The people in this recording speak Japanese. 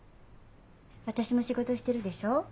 私も仕事してるでしょ。